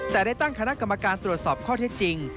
แต่ได้ตั้งคณะกรรมการตรวจสอบข้อเท็จจริง